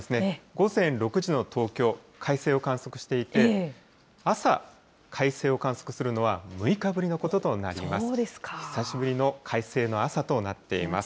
午前６時の東京、快晴を観測していて、朝、快晴を観測するのは６日ぶりのこととなります。